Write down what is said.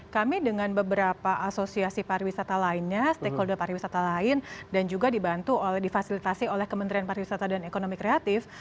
kami dengan beberapa asosiasi pariwisata lainnya stakeholder pariwisata lain dan juga dibantu oleh difasilitasi oleh kementerian pariwisata dan ekonomi kreatif